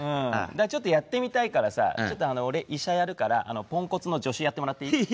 だからちょっとやってみたいからさちょっと俺医者やるからポンコツの助手やってもらっていい？